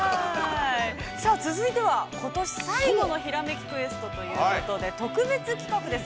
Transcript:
◆さあ続いては、ことし最後の「ひらめきクエスト」ということで、特別企画です。